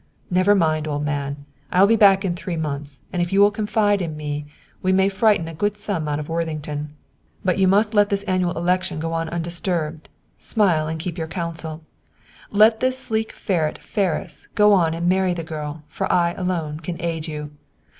Never mind, old man; I will be back in three months, and if you will confide in me, we may frighten a good sum out of Worthington. "But you must let this annual election go on undisturbed. Smile and keep your counsel. Let this sleek ferret Ferris, go on and marry the girl, for I, alone, can aid you.